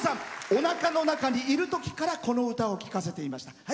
おなかの中にいるときからこの歌を聴かせていました。